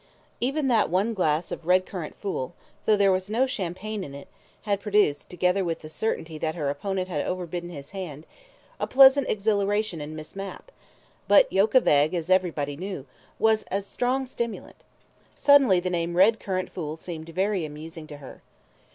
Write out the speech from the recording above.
Even that one glass of red currant fool, though there was no champagne in it, had produced, together with the certainty that her opponent had overbidden his hand, a pleasant exhilaration in Miss Mapp; but yolk of egg, as everybody knew, was a strong stimulant. Suddenly the name red currant fool seemed very amusing to her.